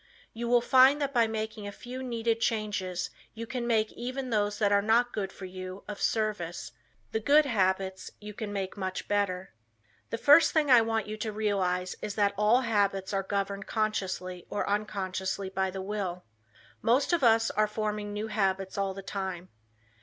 You will find that by making a few needed changes you can make even those that are not good for you, of service; the good habits you can make much better. The first thing I want you to realize is that all habits are governed consciously or unconsciously by the will. Most of us are forming new habits all the time.